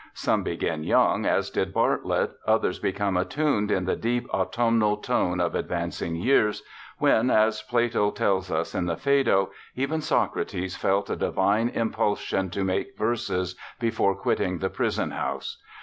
Some begin young, as did Bartlett ; others become attuned in the deep autumnal tone of advancing years, when, as Plato tells us in the Phaedo, even Socrates felt a divine impulsion to make verses before quitting the prison house.